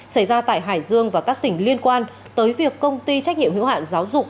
xảy ra tại hải dương và các tỉnh liên quan tới việc công ty trách nhiệm hữu hạn giáo dục